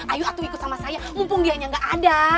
ayo atuh ikut sama saya mumpung dianya enggak ada